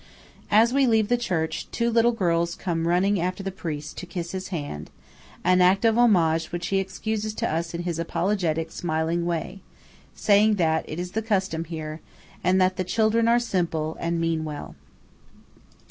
As we leave the church, two little girls come running after the priest, to kiss his hand ; an act of homage which he excuses to us in his apologetic, smiling way, saying that it is the custom here, and that the children are "simple, and mean well."